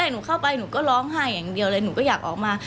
หนูเข้าไปหนูก็ร้องไห้อย่างเดียวเลยหนูก็อยากออกมา